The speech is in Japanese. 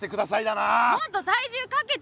もっと体重かけてよ！